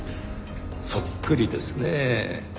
そっくりですねぇ。